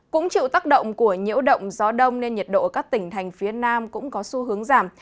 cũng chịu tác động của nhiễu động gió đông nên nhiệt độ ở các tỉnh thành phía nam cũng có xu hướng giảm